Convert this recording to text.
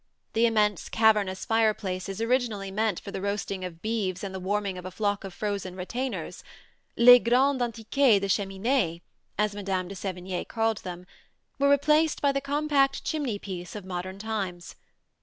The immense cavernous fireplaces originally meant for the roasting of beeves and the warming of a flock of frozen retainers, "les grandes antiquailles de cheminées," as Madame de Sévigné called them, were replaced by the compact chimney piece of modern times.